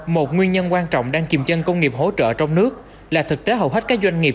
một nguyên nhân quan trọng đang kìm chân công nghiệp hỗ trợ trong nước là thực tế hầu hết các doanh nghiệp